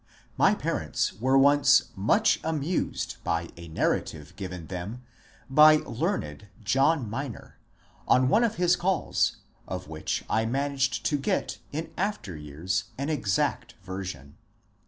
My parents were once much amused by a narrative given them by learned John Minor, on one of his calls, of which I managed to get in after years an exact version.